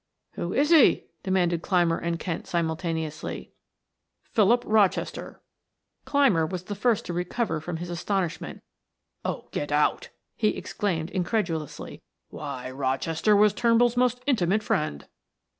"Who is he?" demanded Clymer and Kent simultaneously. "Philip Rochester." Clymer was the first to recover from his astonishment. "Oh, get out!" he exclaimed incredulously. "Why, Rochester was Turnbull's most intimate friend."